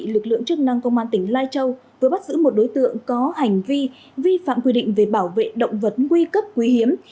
lực lượng chức năng công an tỉnh lai châu vừa bắt giữ một đối tượng có hành vi vi phạm quy định về bảo vệ động vật nguy cấp quý hiếm